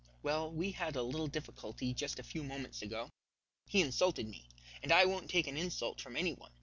Well, we had a little difficulty just a few moments ago; he insulted me, and I won't take an insult from any one.